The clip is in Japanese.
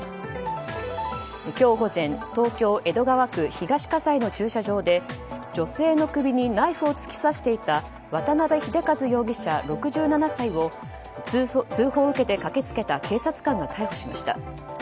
今日午前東京・江戸川区東葛西の駐車場で、女性の首にナイフを突き刺していた渡辺秀一容疑者、６７歳を通報を受けて駆け付けた警察官が逮捕しました。